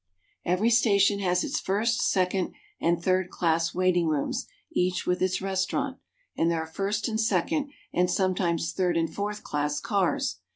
Every station has its first, second, and third class wait ing rooms, each with its restaurant ; and there are first and second, and sometimes third and fourth class cars.